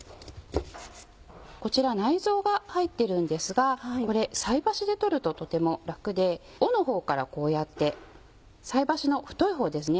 こちらは内臓が入ってるんですがこれ菜箸で取るととても楽で尾のほうからこうやって菜箸の太いほうですね